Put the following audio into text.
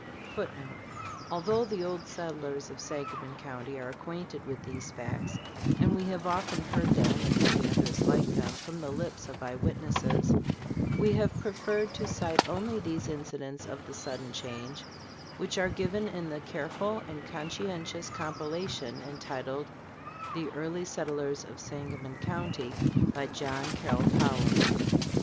[Footnote: Although the old settlers of Sangamon County are acquainted with these facts, and we have often heard them and many others like them from the lips of eye witnesses, we have preferred to cite only these incidents of the sudden change which are given in the careful and conscientious compilation entitled "The Early Settlers of Sangamon County," by John Carroll Power.